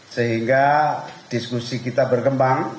sehingga diskusi kita berkembang